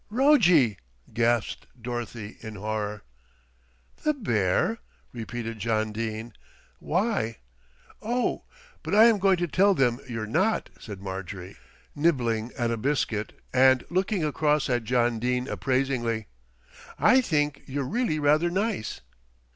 '" "Rojjie!" gasped Dorothy in horror. "The bear?" repeated John Dene. "Why?" "Oh, but I am going to tell them you're not," said Marjorie, nibbling at a biscuit and looking across at John Dene appraisingly. "I think you're really rather nice."